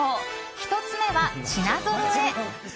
１つ目は品ぞろえ！